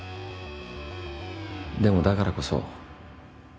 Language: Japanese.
でもだからこそ。